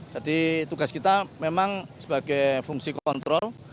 jadi tugas kita memang sebagai fungsi kontrol